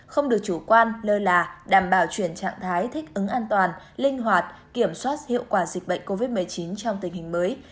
không được chủ quan lơ là đảm bảo chuyển trạng thái thích ứng an toàn linh hoạt kiểm soát hiệu quả dịch bệnh covid một mươi chín trong tình hình mới